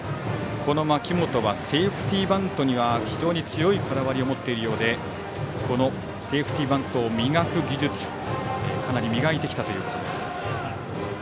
槇本はセーフティーバントには非常に強いこだわりを持っているようでセーフティーバントをかなり磨いてきたということです。